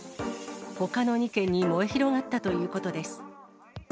ほかの２軒に燃え広がったということです。